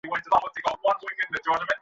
আমরা সবসময় লম্বা পদক্ষেপই ফেলি!